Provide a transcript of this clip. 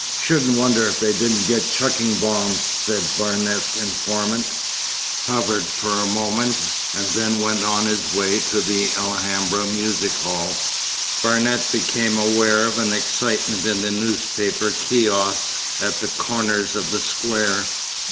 'Shouldn't wonder if they didn't get chucking bombs,' said Barnet's informant, hovered for a moment, and then went on his way to the Alhambra music hall. Barnet became aware of an excitement in the newspaper kiosks at the corners of the square.